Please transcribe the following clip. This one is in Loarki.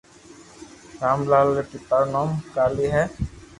رام لال ري پيتا رو نوم ڪاليي ھي